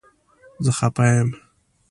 زه خپه یم